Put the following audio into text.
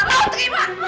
kamu selalu terima